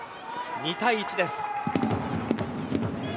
２対１です。